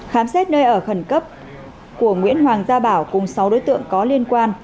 khám xét nơi ở khẩn cấp của nguyễn hoàng gia bảo cùng sáu đối tượng có liên quan